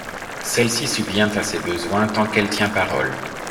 Celle-ci subvient à ses besoins tant qu'elle tient parole.